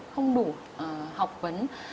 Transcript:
không đủ học vấn